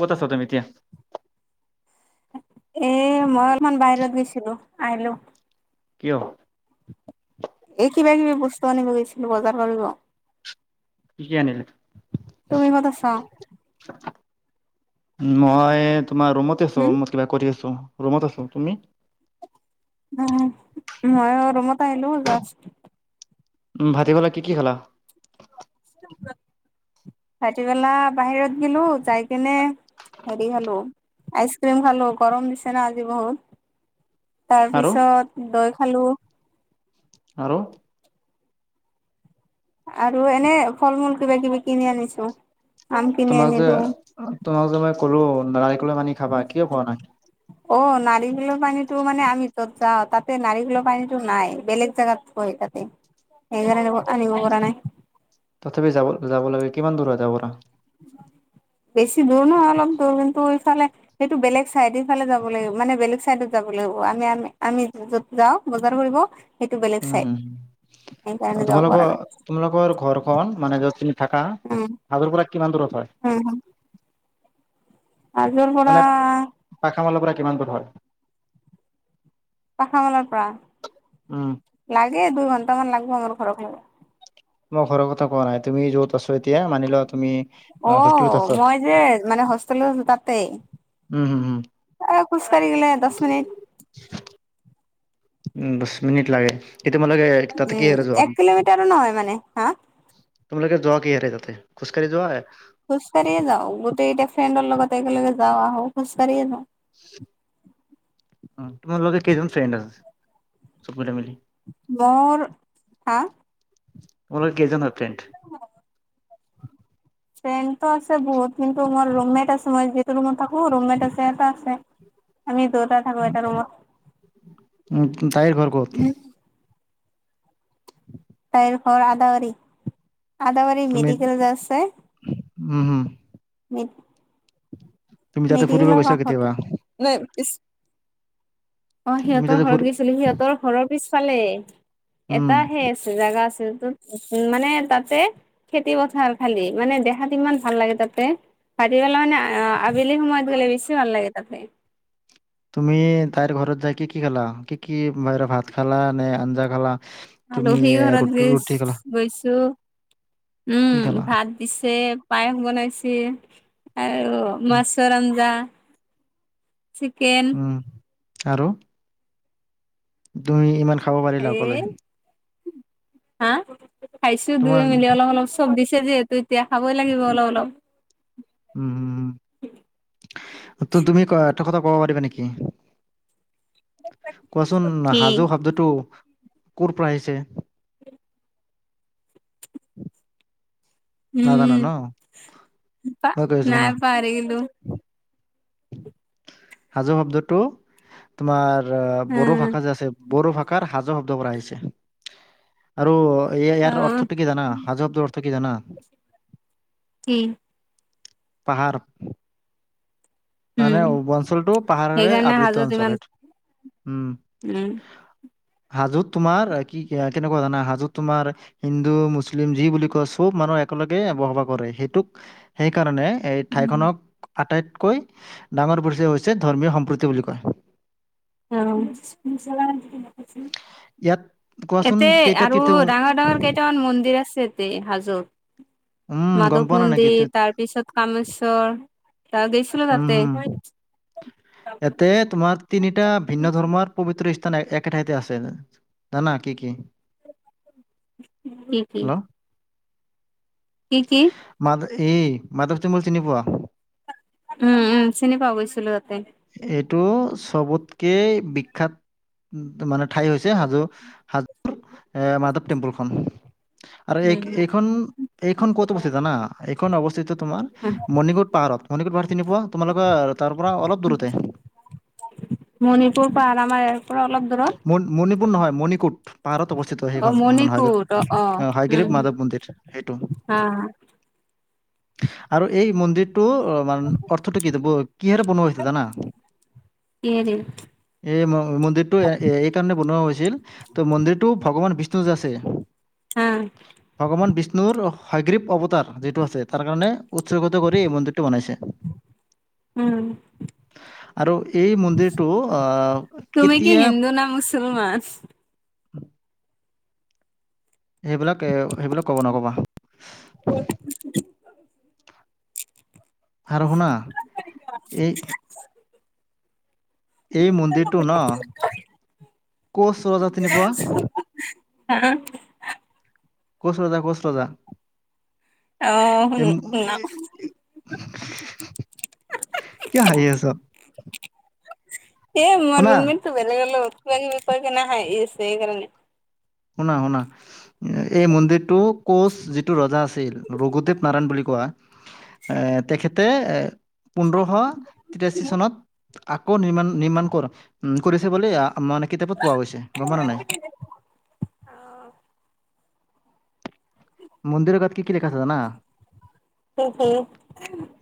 ক'ত আছ তুমি এতিয়া এ মই অলপমান বাহিৰত গৈছিলো আহিলো কিয় এই কিবা কিবি বস্তু আনিব গৈছিলো বজাৰ কৰিব কি আনিলি তুমি ক'ত আছা মই তোমাৰ ৰুমতে আছো হম মই কিবা কৰি আছো ৰুমত আছো তুমি আহ মইও ৰোমতে আহিলো যাস্ত উম ভাতিবেলা কি কি খালা ৰাতি বেলা বাহিৰত গেলো যাই কিনে হেৰি খালো আইচক্ৰিম খালো গৰম দিছে ন আজি বহুত আৰু তাৰপিছত দৈ খালো আৰু আৰু এনে ফল মূল কিবা কিবি কিনি আনিছো আম কিনি তোমাক যে আনিলো তোমাক যে মই কলো নাৰিকলৰ পানি খাবা কিয় খোৱা নাই অ নাৰিকলৰ পানীটো মানে আমি য'ত যাওঁ তাতে নাৰীকলৰ পানীটো নাই বেলেগ জাগাত তাতে, সেইকাৰণে আনিব পৰা নাই তথাপি যাব যাব লাগে কিমান দূৰ হয় তাৰ পৰা [inaudible] বেছি দূৰ নহয় অলপ দূৰ কিন্তু এইফালে সেইটো বেলেগ চাইড ইফালে যাব লাগিব মানে বেলেগ চাইডত যাব লাগ আমি আমি আমি য'ত যাওঁ বজাৰ কৰিব সেইটো বেলেগ চাইড উম সেইকাৰণে হো যাব তোমালোক পৰা নাই তোমালোকৰ ঘৰখন মানে য'ত তুমি থাকা উম হাজোৰ পৰা কিমান দূৰত হয় উম হাজোৰ পৰা মালৰ [unintelligible] পৰা কিমান দূ হয় [unintelligible] পাখা মেলাৰ পৰা উম লাগে দুই ঘন্টামান লাগিব আমাৰ ঘৰৰ পৰা মই ঘৰ কথা কোৱা নাই তুমি য'ত আছে এতিয়া মানিলোৱা তুমি অ হেটেলত আছ উম মই যে মানে হোষ্টেলত তাতে হম হম খোজ‌ কঢ়ি গলে দচ মিনিট উম দচ মিনিট লাগে এতিয়া তোমালোকে তাত কি উম হেৰে যোৱা এক কিলোমিটাৰো নহয় মানে হা তোমালোক যোৱা কি হে ততে খোজকাঢ়ি যোৱা নাই খোজকাঢ়িয়ে যাওঁ গোটেই এতিয়া ফ্ৰেণ্ডৰ লগত একেলগে যাওঁ আহো খোজকাঢ়িয়ে যাওঁ তোমাৰ লগত কেইজন ফ্ৰেণ্ড আছে বল হা তোমালোক কেইজনৰ আছে ফ্ৰেণ্ডতটো আছে বহুত কিন্তু মোৰ ৰুমেট আছে মই যিটো ৰুমত থাকো ৰুমেট আছে সহটা আছে আমি দুটাই থাকো এটা ৰুমত উম, তাইৰ ঘৰ ক'ত তাইৰ ঘৰ আদাবাৰী আদাবাৰী তুমি মেডিকেল যে আছে উম, হম মে তুমি তাতে ফুৰিব মেডীকেলৰ গৈছা কেতিয়াবা? কাষত অ অ তুমি সিহঁত, তাতে ফুৰ পিছফালে উম, এটা হ আছে জেগা আছে। উ মানে তাতে। খেতি পথাৰ খালি মানে দেখাত ইমান ভাল লাগে তাতে। কাটি পেলাও নে অ আবেলি সময়ত গ'লে বেছি ভাল লাগে তাতে। তুমি তাইৰ ঘৰত যাই কি কি খালা, কি কি বাহিৰ ভাত খালা নে আঞ্জা খালা। তুমি আলহি ঘৰত ৰুটি ৰুটি খালা গৈগৈছো। কি উম খালা ভাত দিছে পায়স বনাইছে। আৰু উম, মাছৰ আঞ্জা। চিকেন। উম, আৰু। তুমি ইমান খাব এ পাৰিলা অকলে। হা, খাইছো তোমাৰ দুয়ো মেলি অলপ অলপ চব দিছে যিহেতু। তেতিয়া খাবই লাগিব অলপ অলপ। উম উম। তো তুমি এটা কথা ক'ব পাৰিবা নেকি? কোৱাচোন কি সাজো শব্দটো। কোৰ পৰা আহিছে। নাজানা উম ন প মই কৈ নাই পাৰ পাহৰিগিলো। সাজো শব্দটো, তোমাৰ। বড়ো উম, ভাষা যে আছে বড়ো ভাষাৰ হাজো শব্দৰ পৰা আহিছে, আৰু। এই ইয়াৰ অ' অৰ্থটো কি জানা সাজ শব্দ অৰ্থ কি জানা। কি। পাহাৰ। উম, মানে অঞ্চলটো পাহাৰৰে সেইকাৰণে আবৃত্ত হাজোত ইমান অঞ্চল সে উম। হাজোত তোমাৰ কি কি কেনেকুৱা জানা হাজোত তোমাৰ, হিন্দু মুছলিম যি বুলি কয় চব মানুহ। একেলগে এ এবসভাকৰে সেইটোক, সেইকাৰণে। এই ঠাইখনক আটাইতকৈ ডাঙৰ পৰিচয় হৈছে ধৰ্মীয় সম্প্ৰীতি বুলি কয়। অ কো ইয়াত কোৱাচোন এতে কেইটা আৰু তীৰ্থ ডাঙৰ ডাঙৰ কেইটামান মন্দিৰ আছে এতে হাজোত। উম গম মাধৱ পোৱা ন নেকি মন্দিৰ তীৰ্থ- তাৰপিছত কামেশ্বৰ। ত গৈছিলো উম তাতে হম, ইতে তোমাৰ তিনিটা ভিন্ন ধৰ্মৰ পবিত্ৰ। একে ঠাইতে আছে, নানা কি কি। কি কি? হেল্ল' কি কি? মাধ এই মাধৱ তুমল চিনি পোৱা। উম উম! চিনি পোৱা গৈছিলো ততে। চবতকে বিক্ষাত মানে। ঠাই হৈছে হাজো হাজোৰ এ মাধৱ টেম্পুলখন। আৰু উম উম এইখন এইখন, ক'তো উপস্থিত ন এইখন অৱস্থিত। তোমাৰ, মণিকোট পাহাৰত মণিকূট পাহাৰত তি পুৱা তোমালোকৰ তাৰ পৰা অলপ দূৰতে। মণিপুৰ পাহাৰ আমাৰ ইয়াৰ পৰা অলপ দূৰত। মণ- মণিপুৰ নহয় মণিকোট। পাহাৰত অৱস্থিত অ সেইখন, মণিপুৰ অ অ উম হাইগৰিব হম মাধৱ মন্দিৰ সেইটো। হা আৰু এই মন্দিৰটো মান। অৰ্থটো কি কিহাৰে বনোৱাইছে জানা? কিহে দি? এই মন্দিৰটো এই কাৰণে বনোৱা হৈছিল ত মন্দিৰটো ভগৱান বিষ্- ষ্ণু আছে হা ভগৱান বিষ্ণু। নুৰ সগ্ৰীৱ অৱতাৰ যিটো আছে তাৰ কাৰণে উৎসৰ্গত কৰি এই মন্দিৰটো বনাইছে। উম। আৰু এই মন্দিৰটো আহ কেতিয়া। চলমাছ। উম! সেইবিলাক এ সেইবিলাক কব নকবা, আৰু শুনা এই? এই মন্দিৰটো ন ক' চ ৰজা চিনিপোৱা? হ। কচ ৰজা -কচ ৰজা, এ অঁ! কিয় হাঁহি আছ? এ মই শুনা ৰুমমেটো বেলেগ লগত কিবা কিবি কৈ পিনে হাঁহি আছে সেইকাৰণে। শুনা শুনা এই মন্দিৰটো? কোচ যিটো ৰজা আছিল ৰঘুদেৱ নাৰায়ণ বুলি কোৱা এ তেখেতে এ, পোন্ধৰশ তিৰাশী চনত আকৌ নিৰ্মাণ নিৰ্মাণ কৰ উ কৰিছে বুলি। মানে কিতাপত পোৱা গৈছে গম পালা নাই? অঁ! মন্দিৰৰ তাত কি কি লিখা আছে জানা?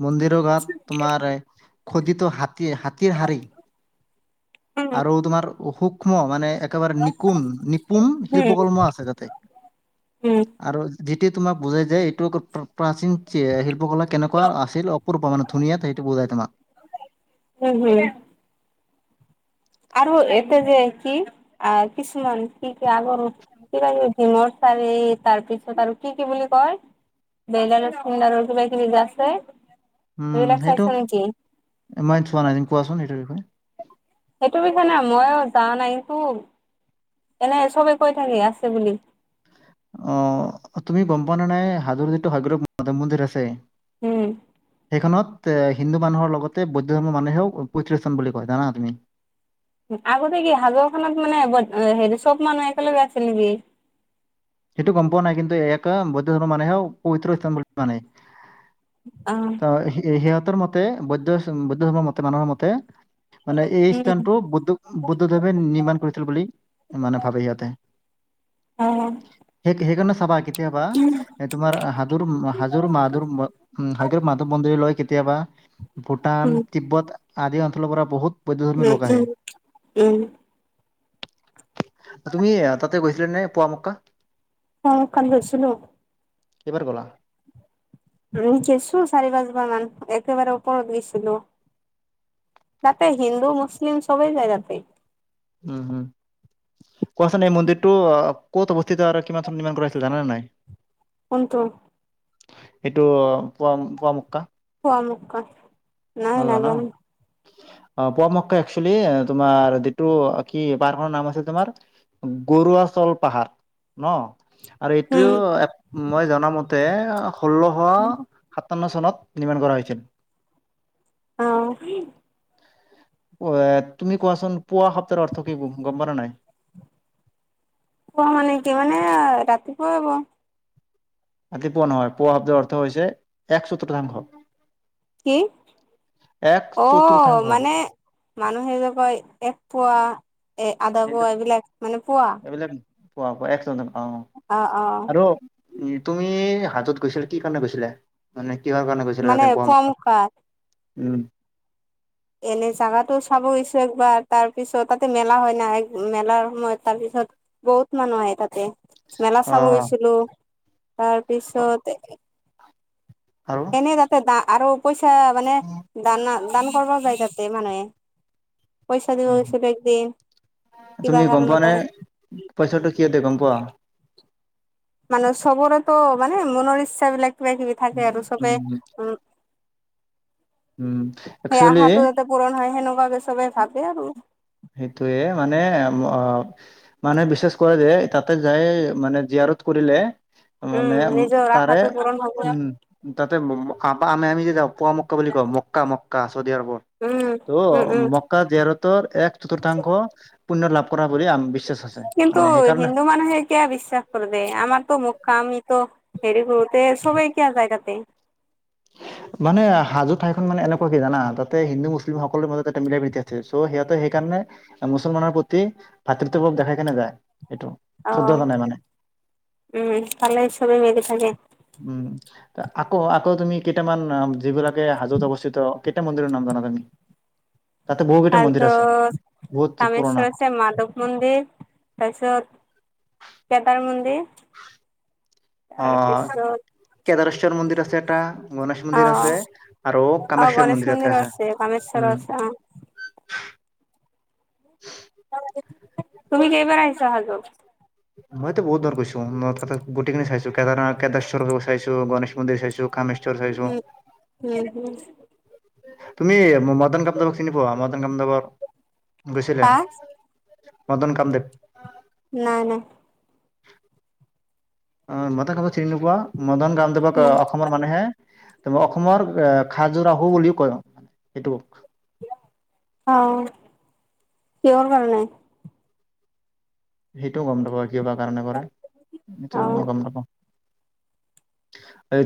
মন্দিৰৰ গাত তোমাৰ? খোদিত হাতী হাতীৰ শাৰী। আৰু তোমাৰ সূক্ষ্ম মানে, একেবাৰে নিপুম নিপুম শিল্প কৰ্ম আছে তাতে আৰু, তোমাক বুজাই যায় এইটো। প্ৰাচীন শিল্পকলা কেনেকুৱা আছিল অপূৰ্ব মানে ধুনীয়া সেইটো বুজায় তোমাক। উম হম! আৰু এতি যে কি আ কিছুমান কি কি আগৰ কি। শিমৰ চাৰি তাৰ পিছত আৰু কি কি বুলি কয়? বিলালৰ সিং আৰু কিবা কিবি আছে। উম, এইবিলাক সেইটো চাইছা নেকি? মই চোৱা নাই যে কোৱাচোন সেইটো বিষয়ে। সেইটো বিষয়ে নে মইো যা নাই টো। এনে চবে কৈ থাকে আছে বুলি। আঁহ তুমি গম পোৱা নে নাই হাজৰটো সাগৰৰত মাধৱ মন্দিৰ আছে। উম। এইখনত এ হিন্দু মানুহৰ লগতে বৌদ্ধ ধৰ্মৰ মানুহেও পিতৃস্থান বুলি কয় জানা তুমি। আগতে কি হাজৰ খত মানে হেৰি চব মানুহ একেলগে আছে নেকি? সেইটো গম পোৱা নাই কিন্তু এক বৌদ্ধ ধৰ্মৰ মানুহে পৱিত্ৰ স্থান বুলি কোৱা নাই অ ত সিহঁতৰ মতে বৌদ্ধ, বৌদ্ধ ধৰ্মৰ মতে মানুহৰ মতে মানে এই উম স্থানটো বুদ্ধ বুদ্ধদৱে নিৰ্মাণ কৰিছিল। বুলি মানে ভাবে সিহঁতে। অ হে সেইকাৰণে চাবা কি। কেতিয়াবা এ তোমাৰ হাজোৰ হাজো মাহাদুৰ হাজ মাহাদৱ মন্দিৰ লয় কেতিয়াবা ভূটান, উম তিব্বত আদি অঞ্চলৰ পৰা বহুত বৌদ্ধধৰ্মী উম লোক আহে। উম উম! তুমি তাতে গৈছিলা? নে পুৱা মক্কা অঁ পুৱা মক্কা গৈছিলোঁ। কেইবাৰ গলা গেইছোঁ চাৰি, পাঁচ বাৰ মান একেবাৰে ওপৰত গৈছিলো। তাতে হিন্দু, মুছলিম চবেই যায় তাতে। উম হম। কোৱাচোন এই মন্দিৰটো ক'ত অৱস্থিত আৰু কিমান চনত নিৰ্মাণ কৰা হৈছিল জান নে নাই? কোনটো এইটো পুৱ পুৱামক্কা? খোৱা নাই নাজানো। অঁ পোৱামক্কা তোমাৰ যিটো কি পাহাৰখনৰ নাম আছে তোমাৰ? গৰুৱাচল পাহাৰ ন? আৰু উম, এইটোও এক মই জনামতে ষোল্লশ সাতন্ন চনত নিৰ্মাণ কৰা হৈছিল। আহঁ। আঁহ তুমি কোৱাচোন পোৱা সপ্তাহৰ অৰ্থ কি গম পোৱা নে নাই? পোৱা মানে কি মানে ৰাতিপুৱাই হ'ব। ৰাতি পুৱা নহয় পোৱা শব্দৰ অৰ্থ হৈছে একচতৰ্তাংশ। কি? অঁ চতুৰ্থাংশ মানে, মানুহে যে কয় এক পোৱা, এ আধা সেইটো পোৱা, এইবিলাক মানে পোৱা। এইবিলাক পোৱা, পোৱা একশ অঁ অ', অ', আৰু তুমি হাতত গৈছিলা কি কাৰণে গৈছিলা মানে? কিহৰ কাৰণে গৈছিলা মানে তাতে পোৱা হাতত মুখাত উম। এনে জাগাটো চাব গৈছো একবাৰ তাৰ পিছত, তাতে মেলা হয় না এক মেলাৰ সময়ত তাৰপি ছত বহুত মানুহ আহে তাতে মেলা অ চাব গৈছিলো, তাৰপিছত। আৰু এনেই তাতে দা আৰু পইচাঁ মানে দানা দান কৰিব যায় তাতে মানুহে পইচাঁ দিব উম গৈছিলো একদিন। কিবা তুমি গম পোৱা কাৰণত নে আৰু পইচাঁটো কিয় দিয়ে গম পোৱা? মানে চবৰেতো মানে মনৰ ইচ্ছাবিলাক কিবা কিবি থাকে উম আৰু চবে উম উ উম সেই একচুৱেলি আশাটো যাতে পূৰণ হয় সেনেকুৱাকে চবেই ভাবে আৰু। সেইটোয়ে মানে মানুহে বিশ্বাস কৰে যে তাতে যায় মানে জীয়াৰ কৰিলে মানে উম নিজৰ তাৰে আশাটো পূৰণ হব উম তাতে আমা আমি যে পোৱামক্কা বুলি কওঁ মক্কা মক্কা চৌদিয়া অবৰ উম ত' উম উম মক্কা জীয়াৰতৰ এক চতুৰ্থাংশ পুণ্য লাভ কৰা। বুলি আম বিশ্বাস আছে কিন্তু মানে সেইকাৰণে হিন্দু মানুহে কিয় বিশ্বাস কৰে দে আমাৰটো মক্কা আমি‌ ত হেৰি কৰোতে চবে কিয় যায় তাতে? [inaudible] মানে হাজো ঠাইখন মানে এনেকুৱা কি জানা তাতে হিন্দু মুছলিম সকলৰ মাজত তাতে মিলা প্ৰীতি আছে সিহঁতে সেইকাৰণে। মুছলমানৰ প্ৰতি ভাতৃত্ববক দেখাই কিনে যায়। এইটো অ শুদ্ধত কাৰণে মানে। উম তাতে চবেই মিলি থাকে। উম, আকৌ আকৌ তুমি কেইটামান যিবিলাকে হাজত অৱস্থিত। কেইটা মন্দিৰৰ নাম জানা তুমি? তাতে বহু কেইটা মন্দিৰ আছে? তাৰপিছত বহুত পুৰণা। কামেশ্বৰ আছে মাধৱ মন্দিৰ তাৰপিছত কেদাৰ মন্দিৰ। অ তাৰপিছত কেদাৰেশ্বৰ মন্দিৰ আছে এটা,। গণেশ অ মন্দিৰ আছে আৰু অ কামেশ্বৰ গণেশ মন্দিৰ‌ এটা মন্দিৰো আছে কামেশ্বৰ উম। আছে অ [unintelligible] তুমি কেইবাৰ আহিছা হাজো? মইতো বহুত বাৰ গৈছো তাতে গোটেইখিনি চাইছো, কেদেশ্বৰ চাইছো, গণেশ মন্দিৰ চাইছো, কামেশ্ব। ৰ চাইছো, উম উম হম তুমি মদন কামদেৱক চিনি পোৱা? মদন কামদেৱৰ গৈছিলা কা মদন কামদেৱ? নাই নাই। অ মদন কামদেৱক চিনি নোপোৱা? মদন গামদেৱক নাই অসমৰ মানুহে। অসমৰ আহ খাজোৰাহু বুলিও কয় সেইটোক। আঁহ কিহৰ কাৰণে? সেইটোও গম নাপাওঁ কি বা কাৰণে কৰে, সেইটো অ গম নাপাওঁ।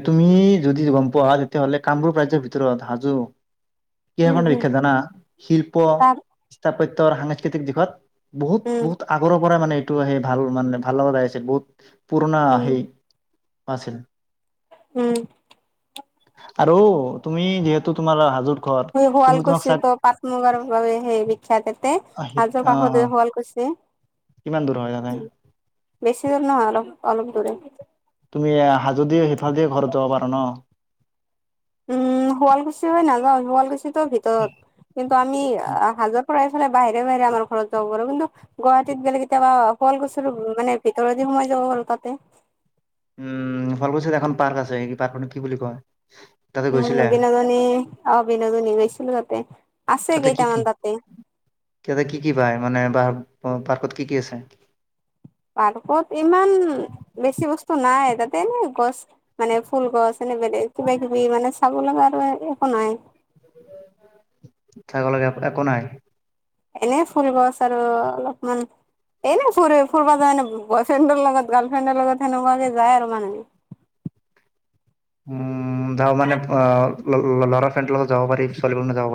তুমি যদি গম পোৱাা তেতিয়াহ'লে কামৰূপ ৰাজ্যয়ৰ ভিতৰত হাজো। উম কৃষৰ হম বিখ্যয় জনা শিল্প তাত স্থাপত্য সাংস্কৃতিক দিশত। বহুত উম বহুত আগৰৰ পৰাই মানে এইটো সেই ভাল মানে ভাল লগছে বহুত। পুৰনা উম হেই আছিল। উম। আৰু তুমি যিহেতু তোমাৰ হাজোৰ। ঘৰ তই শুৱাল তুমি তোমাক কুছি চাক তো পাট মুগাৰ বাবে সেই বিখ্যাততে অ হাজ কাষতই শুৱাল কুচী। কিমান দূৰ হয় যানাই। বেছি দূৰ নহয় অলপ অলপ দূৰে। তুমি হাজোদি সিফালদিয় ঘৰত যাব পাৰো ন। উম শুৱালকুছি হৈ নাযাও শুৱালকুছিতটো ভিতৰত কিন্তু আমি হাজত। চৰাই চৰাাই বাহিৰে বাহিৰে আমাৰ ঘৰত যাব পাৰো কিন্তু গুৱাহাটীত বেলেগ কেতিয়াবা শুৱল গছু মানে ভিতৰত। সময় জগালতে। উম ভাল পৈছ এখন পাৰ্ক আছে পাৰ্ক ম কি বুলি কয়। তাতে উম গৈছিলে বিনোদনী অ বিনোদনী গৈছিলো তাতে আছে কেইটামান তাতে। তেয়াতে কি কি পায় মানে ব পাৰ্কত কি কি আছে। পাৰ্কত ইমান বেছি বস্তু। নাই তাতে এনে গছ মানে ফুল গছ এনে বেলে কিবা কিবি মানে চাব লগা আৰু। নাই। চাব লগাগে একো নাই। এনেই ফুল গছ আৰু অলপমান। এনে ফ ফুব যায়ে বয় ফ্ৰেণ্ডৰ লগত গাৰ্ল ফ্ৰেণ্ডৰ লগত সেনেকুৱাকে যায় আৰু মানুহ। [unintelligible] উম যাওঁ মানে অ ল'ৰা ফ্ৰেণ্ৰ লগত যাব পাৰি ছোৱালিব নাযাব পাৰি।